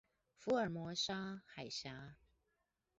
福爾摩沙海峽